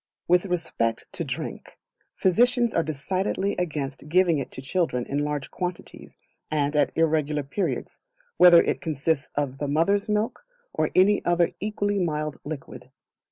With respect to Drink, physicians are decidedly against giving it to children in large quantities, and at irregular periods, whether it consists of the mother's milk, or any other equally mild liquid.